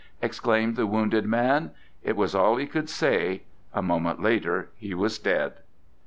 exclaimed the wounded man. It was all he could say. A moment later he was dead.